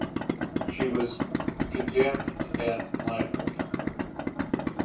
She was condemned at Limerick.